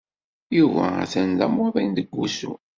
Yuba atan d amuḍin deg wusu.